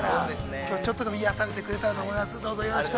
きょうはちょっと癒やされてくれたらと思います。